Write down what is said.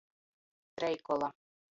Trejkola.